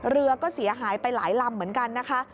เรือก็เสียหายไปหลายลำเหมือนกันนะคะ